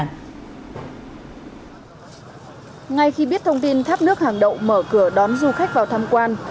ngay khi biết thông tin tháp nước hàng đậu mở cửa đón du khách vào tham quan